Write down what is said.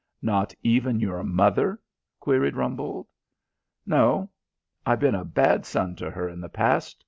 "Not even your mother?" queried Rumbold. "No. I been a bad son to her in the past.